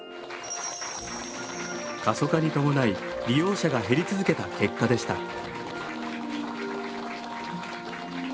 過疎化に伴い利用者が減り続けた結果でした。